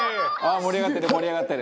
「盛り上がってる盛り上がってる」